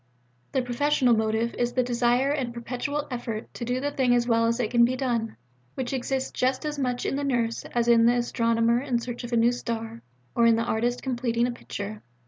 The professional motive is the desire and perpetual effort to do the thing as well as it can be done, which exists just as much in the Nurse, as in the Astronomer in search of a new star, or in the Artist completing a picture.